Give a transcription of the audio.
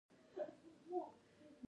کرکټرونه او د هغوی تحلیل: